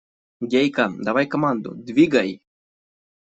Гейка, давай команду, двигай!